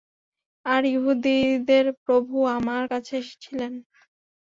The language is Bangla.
আর ইহুদীদের প্রভু আমার কাছে এসেছিলেন।